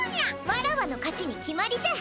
わらわの勝ちに決まりじゃ。